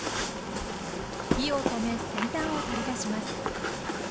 火を止め先端を取り出します。